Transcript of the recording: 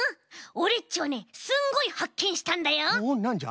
オレっちはねすんごいはっけんしたんだよ。おっなんじゃ？